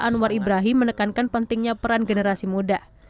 anwar ibrahim menekankan pentingnya peran generasi muda